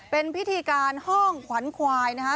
เป็นพิธีการห้องขวัญควายนะฮะ